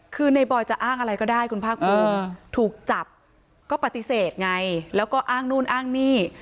คือในบอยจะอ้างอะไรก็ได้คุณภาคภูมิถูกจับก็ปฏิเสธไงแล้วก็อ้างนู่นอ้างนี่